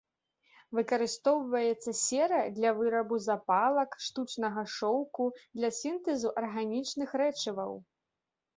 Выкарыстоўваецца сера для вырабу запалак, штучнага шоўку, для сінтэзу арганічных рэчываў.